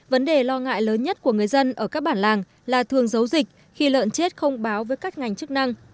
vấn đề lo ngại lớn nhất của người dân ở các bản làng là thường giấu dịch khi lợn chết không báo với các ngành chức năng